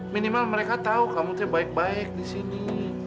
minimal mereka tahu kak menteri baik baik di sini